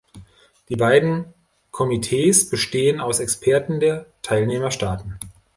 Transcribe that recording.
Die beiden Komitees bestehen aus Experten der Teilnehmerstaaten.